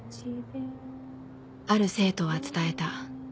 いようある生徒は伝えた